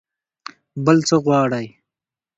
بل څه غواړئ؟